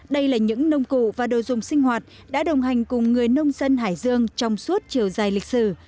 đây là những nông cụ và đồ dùng sinh hoạt đã đồng hành cùng người nông dân hải dương trong suốt chiều dài lịch sử